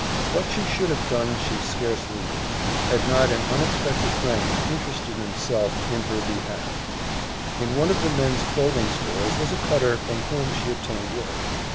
What she should have done she scarcely knew, had not an unexpected friend interested himself in her behalf. In one of the men's clothing stores was a cutter from whom she obtained work.